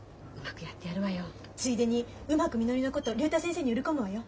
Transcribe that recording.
ついでにうまくみのりのこと竜太先生に売り込むわよ。